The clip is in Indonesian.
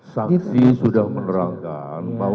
saksi sudah menerangkan bahwa